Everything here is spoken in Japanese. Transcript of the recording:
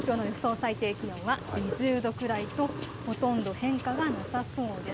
最低気温は２０度ぐらいとほとんど変化はなさそうです。